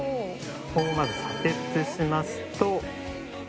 「ここをまず左折しますと」